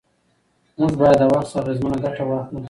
موږ باید له وخت څخه اغېزمنه ګټه واخلو